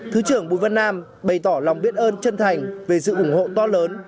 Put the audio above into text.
thứ trưởng bùi vân nam bày tỏ lòng biết ơn chân thành về sự ủng hộ to lớn